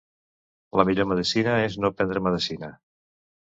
La millor medecina és no prendre medecina.